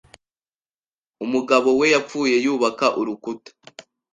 umugabo we yapfuye yubaka urukuta